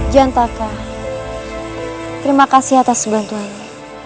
jan taka terima kasih atas bantuanmu